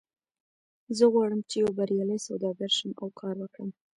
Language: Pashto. زه غواړم چې یو بریالی سوداګر شم او کار وکړم